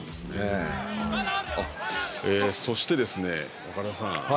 そして岡田さん